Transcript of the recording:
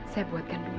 saya buatkan dulu